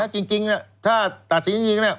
จริงถ้าตัดสินอย่างนี้